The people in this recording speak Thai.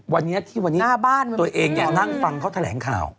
วันนี้ที่วันนี้ตัวเองนั่งฟังเขาแถลงข่าว